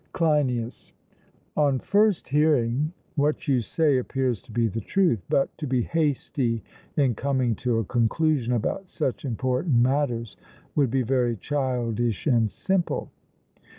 CLEINIAS: On first hearing, what you say appears to be the truth; but to be hasty in coming to a conclusion about such important matters would be very childish and simple.